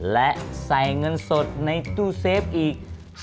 และใส่เงินสดในตู้เซฟอีก